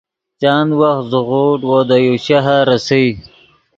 چند وخت زیغوڤڈ وو دے یو شہر ریسئے